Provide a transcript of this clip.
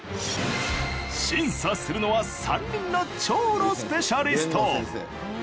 審査するのは３人の腸のスペシャリスト。